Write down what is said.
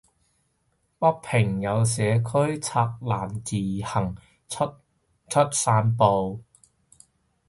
北京有社區拆欄自行外出散步